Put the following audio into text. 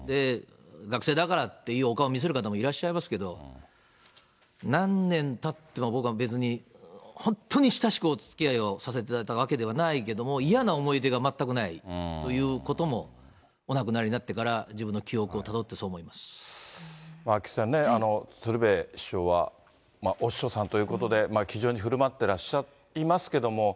学生だからって、いいお顔見せる方もいらっしゃいますけど、何年たっても僕は別に、本当に親しくおつきあいをさせていただいたわけではないけども、嫌な思い出が全くないということも、お亡くなりになってから、自菊池さんね、鶴瓶師匠はお師匠さんということで、気丈にふるまってらっしゃいますけども。